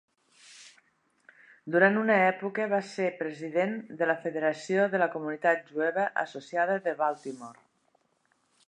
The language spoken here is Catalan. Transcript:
Durant una època, va ser president de la Federació de la Comunitat Jueva Associada de Baltimore.